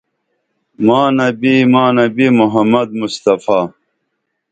ما نبی ما نبی محمد مصطفےٰ